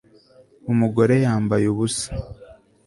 Umugore yambaye ubusa